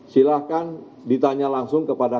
silahkan ditanya langsung kepada